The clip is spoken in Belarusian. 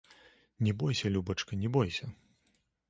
Не бойся, любачка, не бойся!